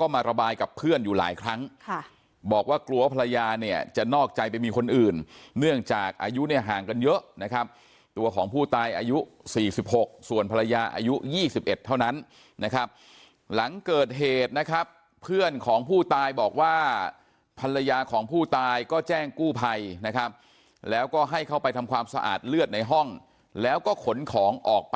ก็มาระบายกับเพื่อนอยู่หลายครั้งบอกว่ากลัวภรรยาเนี่ยจะนอกใจไปมีคนอื่นเนื่องจากอายุเนี่ยห่างกันเยอะนะครับตัวของผู้ตายอายุ๔๖ส่วนภรรยาอายุ๒๑เท่านั้นนะครับหลังเกิดเหตุนะครับเพื่อนของผู้ตายบอกว่าภรรยาของผู้ตายก็แจ้งกู้ภัยนะครับแล้วก็ให้เข้าไปทำความสะอาดเลือดในห้องแล้วก็ขนของออกไป